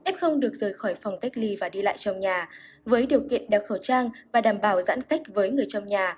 f được rời khỏi phòng cách ly và đi lại trong nhà với điều kiện đeo khẩu trang và đảm bảo giãn cách với người trong nhà